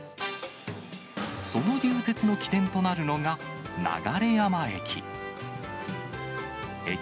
その流鉄の起点となるのが、流山駅。